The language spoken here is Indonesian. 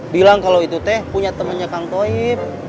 bilang kalau itu teh punya temannya kang toib